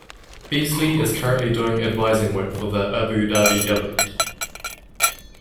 Beasley is currently doing advising work for the Abu Dhabi government.